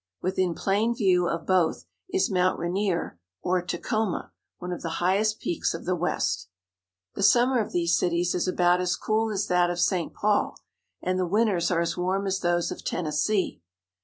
Within plain view of both is Mount Rainier, or Tacoma, one of the highest peaks of the West. The summer of these cities is about as cool as that of St. Paul, and the winters are as warm as those of Ten nessee.